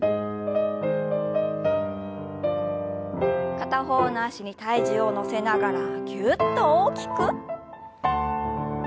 片方の脚に体重を乗せながらぎゅっと大きく。